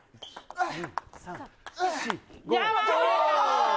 ・あっ！